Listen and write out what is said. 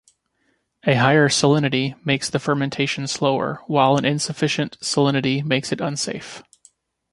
A higher salinity makes the fermentation slower, while an insufficient salinity makes it unsafe.